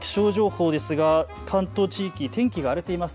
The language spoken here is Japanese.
では気象情報ですが関東地域、天気が荒れています。